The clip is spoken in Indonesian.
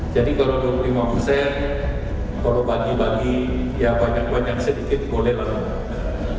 jadi kalau dua puluh lima persen kalau bagi bagi ya banyak banyak sedikit boleh lah